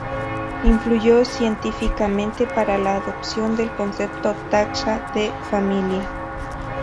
Influyó científicamente para la adopción del concepto taxa de familia.